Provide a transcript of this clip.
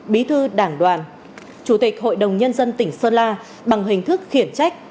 bí thư đảng đoàn chủ tịch hội đồng nhân dân tỉnh sơn la bằng hình thức khiển trách